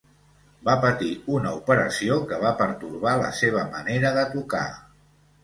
Va patir una operació que va pertorbar la seva manera de tocar.